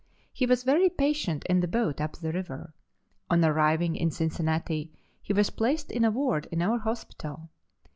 He was very patient in the boat up the river. On arriving in Cincinnati he was placed in a ward in our hospital.